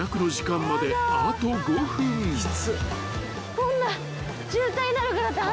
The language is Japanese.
こんな。